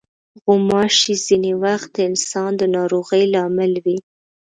غوماشې ځینې وخت د انسان د ناروغۍ لامل وي.